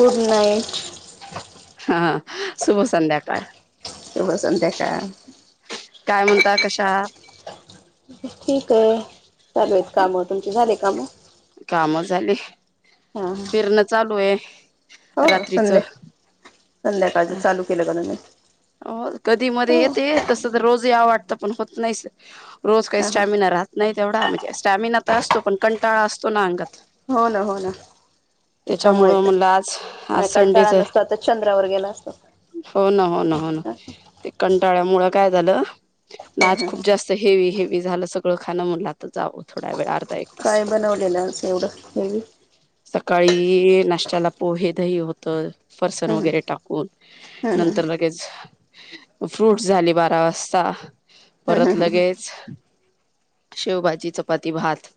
Good night. सुभ संध्याकाळ. शुभ संध्याकाळ काय म्हणता कशा आहात? ठीक आहे, चालेल कामं तुमचे झाले कामं? काम झाली, फिरणं चालू हाय हो संध्या संध्याकाळचं चालू केलं का तुम्ही? हो कधी मध्ये हो येते, तसं तर रोज याव वाटतं. पण होत नाहीस हाय. रोज काही हा हा स्टॅमिना राहत नाही तेवढा, म्हणजे स्टॅमिना तर असतो, पण कंटाळा अस तोना अंगात. हो ना, हो ना, त्याच्यामुळे त्याच्यामुळं तर. म्हणलं आज आज नाही संडेच कंटाळा नसता, तर चंद्रावर गेला असतो. हो ना हो ना हो ना ते कंटाळ्या मुळं काय झालं ना आज खूप जास्त हेवी हे मी झालं सगळं खाणं म्हणलं, आता जावं थोड्या वेळ आर एक तास. काय बनवलेलं असं एवढं हेवी सकाळी नाष्ट्याला पोहे दही होत तर फरसन हम्म वगैरे टाकून हम्म नंतर फ्रूटस झाले बारा वाजता. हम्म परत हम्म लगेच शेवभाजी, चपाती, भात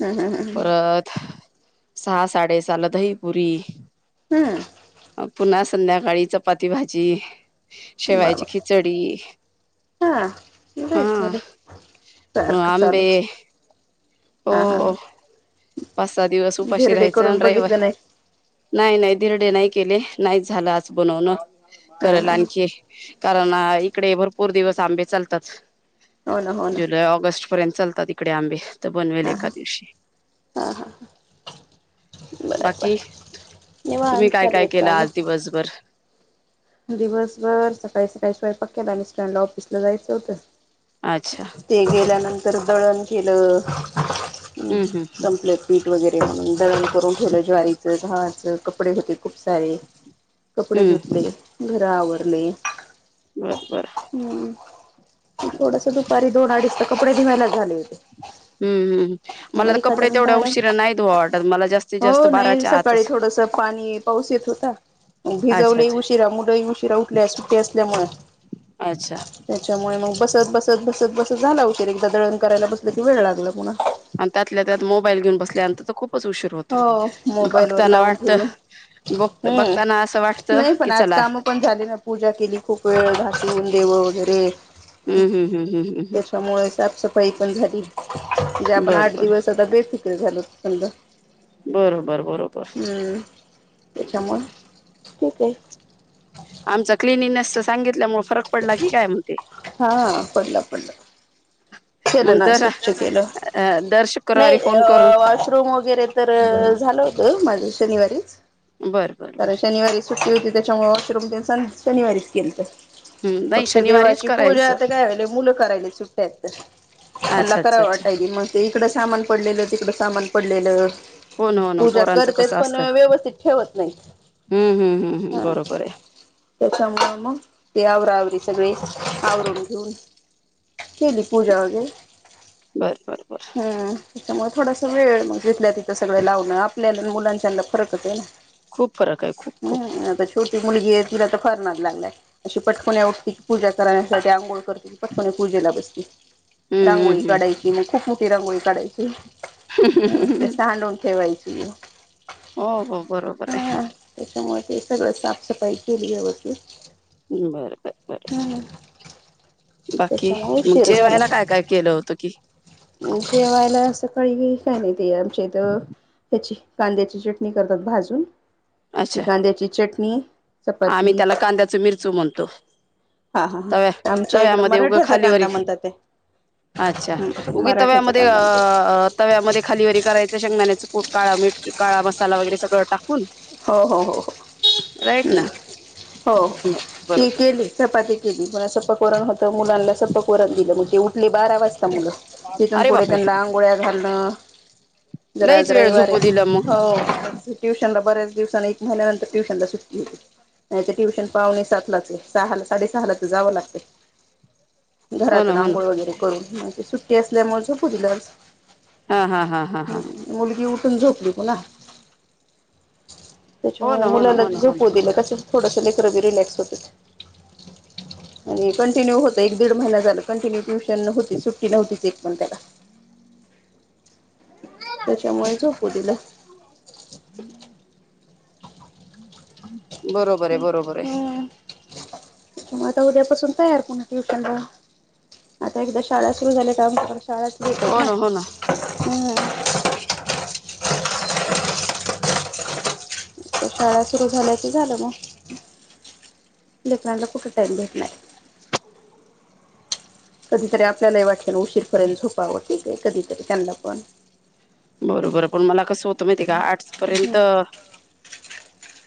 ह ह ह ह परत सहा साडे सहाला दहीपुरी. हम्म अ पुन्हा संध्याकाळी चपाती भाजी शेवायची बाबा खिचडी हा लयच हा झाल सारख आंबे चालुच हो. पाच सात दिवस उपाशी धिरडे राहायचं करून रयावार बघितलं नाही नाही नाही धिरडे नाही केले नाहीच झालं आज बनवण. हा करल हा आणखी कारण अ इकडे भरपूर दिवस आंबे चालतात. हो ना हो ना जुलै ऑगस्ट पर्यंत चाल तिकडे आंबे त बनवेल हा एका हा दिवशी हा हा बर बर बाकी, तुम्ही निवांत काय चालू काय आहेत केलं आज कामं दिवसभर दिवसभर सकाळी सकाळी स्वयंपाक केला मिस्टरांना सरांना ऑफिसला जायचं होतं. अच्छा ते गेल्या नं तर दळण केल. हम्म हम्म संपलेत पीठ वगै [unintelligible] दळण करून ठेवलं ज्वारी [unintelligible] कपडे होते खूप सारे हम्म कपडे धुतले. हम्म घर आवरले. बरं बरं थोडसं दुपारी दोन अडीच ला कपडे धुवायला झाले होते. हम्म हम्म मग मला तर एखादा कपडे मिनिट तेवढ्या आराम उशीरा नाही धुवा वाटत मला जास्तीत जास्त हो नाही बाराच्या सकाळी आतच थोडस पाणी पाऊस येत होता. अच्छा अच्छा. त उठल्या सुट्टी अस ल्यामुळ अच्छा त्याच्यामुळे मग बसत बसत बसत बसत झाला उशीर एकदा दळण करायला बसलं की वेळ लागला पुन्हा आणि त्यातल्या त्यात मोबाईल घेऊन बसल्यानंतर त खूप हो मोबाईल वर लावून ठेवून वाटत बघ हम्म बघताना असं वाटतं नाही की पण आज चला काम पण झाली न पूजा केली खूप वेळ घासवून देव वगैरे ते. हम्म हम्म हम्म हम्म हम्म हम्म. बाई पण घरी जे आपण बर आठ बर दिवस आता बेसिक ते झाल थंड. बरोबर बरोबर. त्याच्यामुळे ठीक आहे आमचं क्लिनिनेसच सांगितल्यामुळ फरक पडला की काय म्हणते? हा पडला पडला. केल मग ना दर स्वच्छ केल अ दर शुक्रवारी नाही फोन करून वॉशरूम वगैरे तर झालं होत माझं शनिवारीच बर बर कारण बर शनिवारी सुट्टी होती त्याच्यामुळे वॉशरूम तर सन शनिवारीच केलत हम्म नाही फक्त शनिवारीच देवाची पूजा करायचं आता काय व्हाय मुलं करायला सुट्ट्यात ला अच्छा करा अच्छा अच्छा वाट आहे म ती तिकडं सामान पडलेलं तिकडं सामान पडलेलं हो ना हो ना पूजा पोरांचं करतेच कसं पण असतं व्यवस्थित ठेवत हम्म हम्म हम्म हम्म नाही-हम बरोबर आहे त्याच्यामुळं म ते आवरवर सगळे आवरून घेऊन केली पूजा वगैरे बर बर बर. त्यामुळे थोडास वळ मग घेतल्यात ते सगळे लावन आप आपल्या मुलांच्याना फरक हे ना. खूप फरक आहे खूप खूप. हम्म आता छोटी मुलगी तिला तर फरनाद लागलाय अशी पटको्या उठते की पूजा करराण्यासाठी आंघोळ करते की पटकोने पूजेला बसते. [unintelligible] हम्म रांगोळी हम्म हम्म काढायची मग खूप मो तिरांगोळी काढायची. - ते सांडू ठेवायच. ह. हो हो बरोबर आहे. त्यामुळे ते सगळं साफसफाई केली आहे होती. बर बर बरोर बाकी त्याच्यामुळे उशीर झाला जेवायला काय काय केलं होतं की ठवायला अस क काय नाही ते आमच्या इथ हची कांद्याची चटणी करतात भाजून. - अच्छा कांद्याची चट [inaudible] आम्ही त्याला कांद्याच मिरचू म्हणतो हा हा हा तव्या आमच्या इकडं तव्यामध्ये उगं मराठ्याचा खालीवर. कांदा म्हणतात ते अच्छा उगी मराठ्याचा तव्यामध्ये अ कांदा म्हणतात. अं तव्यामध्ये खालीवररी करायच शेंगण्याच. पट काळा मीठ काळा मसाला वगैरे सगळं टाकून. हो हो हो राईट ना हम्म. हो बरोबर ती केली चपाती केली. सपक वरण होत मुलांना सपक वरण दिलं मग ते उठले. बारा वाजता मुलं तिथून अरे पुढे बापरे त्यांना अंंगोळ्या घालणं. जरा लईच आज वेळ रविवार झोपू दिला आहे मग हो ट्युशन ला पण बर दिवसाने एक महिन्यानंतर ट्युशनला सुट्टी होते नाही ट्युशन पाहुणे सातलाच हे सहाला साडेसहालाच जावं लागते. हो ना घरातुन हो ना आंघोळ वगैरे करून म्हणजे सु ते असल्यामुळे झोपूदिल आज. हा हा हा हा हा. ण झोपली पुन्हा. हो त्याच्यामुळे ना हो ना मुलाला हो ना हो झोपू ना दिलं कस थोडंसं लवकरच रिलॅक्स होतच आणि कंटिन्यू होतं एक दीड महिना झाला कंटिन्यू ट्युशन होती सुट्टी नव्हतीच एक पण त्याला. त्याच्यामुळे झोपू दिलं. [unintelligible] बरोबर आहे बरोबर आहे. मग आता उद्यापासून तयार पुन्हा ट्युशनला आता एकदा शाळा सुरु झाल्या काम कर शाळा सुरु होत्यात ना हा. शाळा सुरू झाल्याच झालं मग लेखनाला कुठे टाइम भेटणार. [inaudible] कधीतरी आपल्यालाही वाटेन उशीरपर्यंत झोपावं ठीक आहे कधीतरी त्यांना पण बरोबर पण मला कसं होतं माहितीय का आर् हम्म पर्यंत.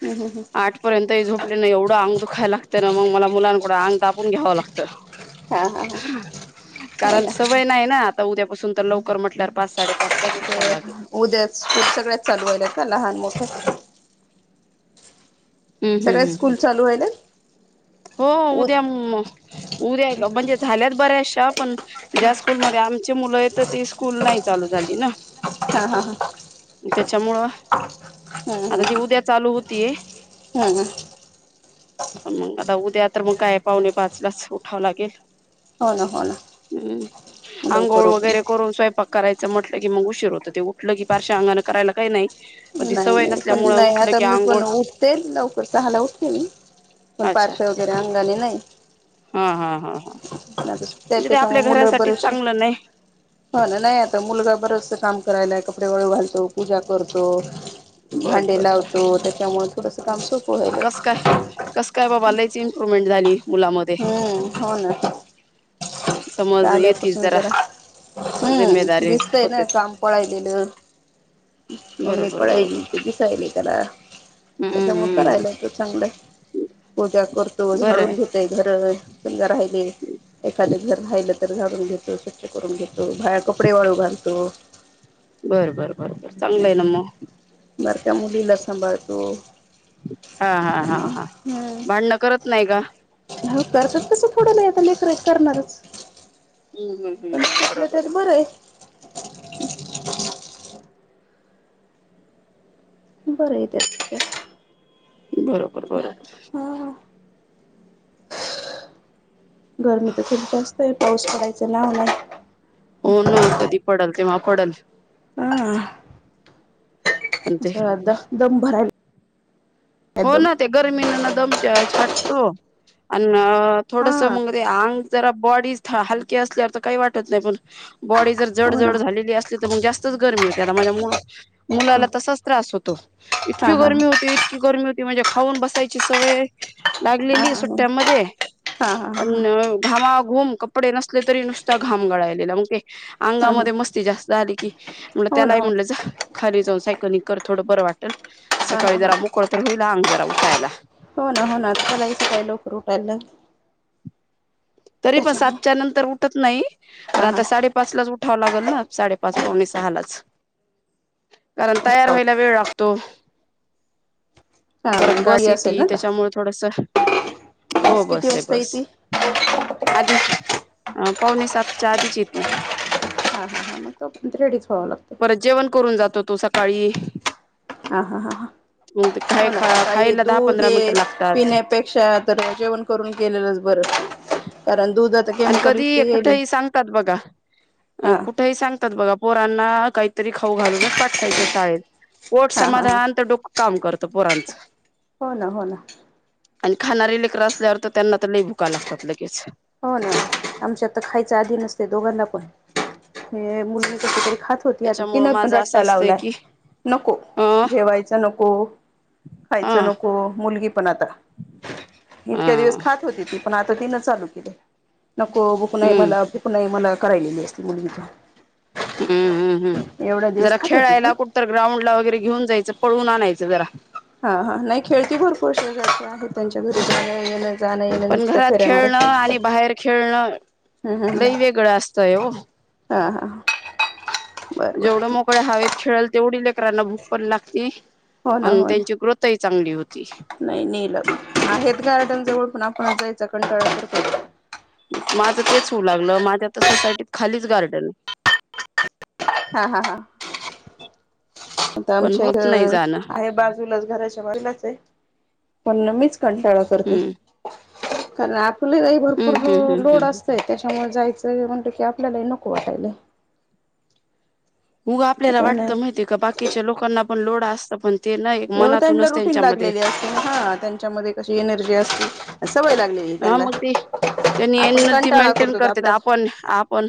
हम्म हम्म हम्म आठपर्यंतही झोपले ना एवढं अंग दुखाय लागतं ना मग मला मुलांकडं आंग दाबून घ्यावं लागतं हा हा हा हो कारण ना सवय नाही ना आता. उद्यापासून तर लवकर म्हट उद्या स्कूल सगळ्याच चालू होईल का लहान मोठ्या. हम्म हम्म सगळ्याच हम्म स्कूल हम्म. चालू व्हायलय. हो उद्या उद्या म्हणजे झाल्यात बऱ्याचश्या पण ज्या स्कूलमध्ये आ मुलं य तर ते स्कूल नाही चालू झाली ना. हा हा हा त्याच्यामुळं हम्म आता ती हम्म उद्या चालू होतीय. आ म. आ उद्या तर मग काय पाउने पाचलाच उठावं लागेल हो ना हो ना हम् लवकर अंघोळ वगैरे उठून करून स्वयंपाक करायचा म्हटलं की मग उशीर होत ते उठलं की पारश्या अंगाने करायला काही नाही पण ती नाही सवय नाही नसल्यामुळे पण उठलं आता की मी आंघोळ पण उठते लवकर स हाला उठते मी अच्छा पारश वगैरे अंगाली नाही हा हा हा हा - म्हणजे ते आपल्या त्याच्यामुळे मुलं घरासाठी बरेचस चांगलं नाही हो ना नाही आता मुलगा बरच काम करायला कपडे वळे [unintelligible] घालतो पूजा करतो तो बर भांडे बर बर लावतो त्याच्यामुळे खुस काम स कस काय कस काय बाबालाच इम्प्रुवमेंट झाली मुलामध्ये हम्म होन [inaudible] समज येतीच आल्यापासून जरा - हम्म जिम्मेदारी दिसतय ना होते काम पळायलेलं मम्मी बरोबर बरोबर पळायली ते दिसायले त्याला हम्म त्याच्यामु करायला हम्म त चांगलंय पूजा करत तो बरं झाडून आहे घेत ते घर समजा राहिले- एखादं घर राहिलं घाून घेतो स्वच्छ करून घेतो बाया कपडे वाळू घालतो बर बर बर बर चांगलं आहे ना म सारख्या मुलीला सांभाळतो हा हा हा हा त्यामुळं भांडणं करत नाही का हो करतात तस थोडंता लेकर करणारच हम्म हम्म हम्म पण हम् त्यातल्या बरोबर त्यात आहे बरं बरं य तेच बरोबर बरोबर - गरमी तर खूप जास्त आहे पाऊस पडायचा ना होणार हो ना कधी पडल तेवग पडल ह ह पण [inaudible] ते असं दम भरायला हो दम ना ते गर्मीन ना एकदम छाटतो आणि हा थोडस मग अंग जरा बॉडी हलके असल्या काही वाटत नाही पण बॉडी जर जड हो जड ना झालेली अस तर मग जास्त गरमी होते आता माझ्या मुलाला हा तसाच त्रास होतो इतकी हा हा गर्मी होती इतकी ती म्हणजे खाऊन बसायची सवय हा हा लागलेली सुट्ट्यामध्ये हा अ हा हा घामाघूम कपडे नसले तरी नुसता घाम गळायलेला मगक हा अंगामध्ये मस्ती जास्त झाली की म्ह हो ना त्याला हो म्हणलं जा खाली जाऊ सायकलिंग करत थंड बरं वाटतं हा हा सकाळी हा जरा मु तर होईल अंग जरा उठायला हो ना हो ना सकाळी लवकर उठायला तरी पण त्याच्यामुळे सातच्या नंतर उठत नाही पण हा हा आता साडेपाच लाच उठावं लागत साडेपाच पावणे सहालाच कारण तयार व्हायला वेळ लागतो परत हा गाडी बस असेल येते ना का त्याच्यामुळे थोडंसं किती वास्ता येतिल आधी अ पावणे सातच्या आधीच येतिल रेडी परत जेवण करून जातो तो सकाळी ह हा ह ह मग ते काय हो ना! खा काई खायला दहा दूध पंधरा ये मिनिटं लागतात पिण्यापेक्षा तर जेवण करून गेलेलंच बरं. कारण दूध आता आणि केमिकल युक्त कधी येईल कुठेही सांगतात बघा हा कुठेही सांगतात बघा पोरांना काय. तरी खाऊ घालूनच पाठवायचं शाळेत, पोट हा हा हा समाधान तर डोकं काम करतं पोरां हो ना! हो ना! आणि खाणारी लेकरं असल्यावर तर त्यांना तर लई भुका लागतात लगेच, हो ना! आमच्यात तर खायच्या आधीचं नसते दोघांना पण मुली क खात होती, आता त्याच्यामुळं तिन पण माझं असं रट्टा असतंय लावलाय की नको! अ जेवायच नको! हा खायचं नको! मुलगी पण आता हा इतक्या दिवस खात होती ती पण आता तीन चालू [unintelligible] नको भुक नाही हम्म मला, भुक नाही मला, करायलेली असती मुलगी, हम्म हम्म हम्! एवढ्या दिवस जरा खात होती ती खेळायला कुठंतर ग्राउंडला वगैरे घेऊन जायचं. पळवून आणायचं जरा हा हा नाही खेळती ह पण घरात खेळणं, आणि बाहेर खेळणं. हम्म लई वेगळं असतंय ओ! हं, हा बरं बर जेवढं मोकळ्या हावेत खेळल तेवढी लेकरांला भूक पण लागती हो ना आणि हो त्यांची ना ग्रोथही चांगली होती. नाही हा जायचं कंटाळा तर माझं तेच होऊ लागलं माझ्या तर सोसायटीत खालीच गार्डन हा, हा, हा आता पण आमच्या इथ होत नाही जाणं आहे बाजूलाच घराच्या बाजूलाच आहे. पण मीच कंटाळा करते. हम्म खरं आत [unintelligible] भरपूर हम्म हम्म हम्म लोड हम्म असतय तेच्यामुळ जाय आस म्हणतो की आपल्याला हे नको वाटायलय. ऊग आपल्याला आता वाटत नाही माहितीय का बाकीच्या लोकांना पण लोड असत पण ते नाही [unintelligible] त्यांना मनातूनच रुटीन त्यांच्यामध्ये लागलेली असते हा त्यांच्यामध्ये कशी एनर्जी असते. सवय लागलेली हा त्यांना मग ती त्यांनी आपण एनर्जी कंटाळा मेंटेन करतो करते त आपण आपल्यात आपण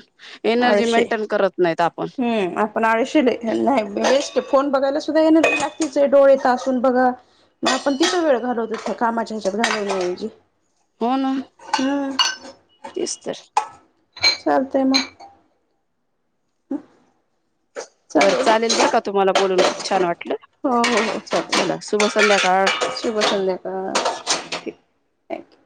एनर्जी मेंटेन करत नाहीत आप हम्, आपण आळशे लई [unintelligible] ते फोन बघायला सुद्धा एनर्जी लागतीच आहे डोळे तासून बघा मग आपण तिथं वेळ घालवतो कामाच्या हेच्यात घालवल्या ऐवजी हो ना तेच तर चालतय म हा बरं चालेल बरं का तुम्हाला बोलून खुप छान वाट हो, हो, हो, संध्याकाळ शुभ संध्याकाळ थँक्यू